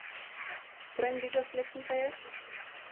Пурен, вигак лектын каяш?